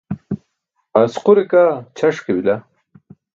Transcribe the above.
Asqure kaa ćʰaṣ ke bila.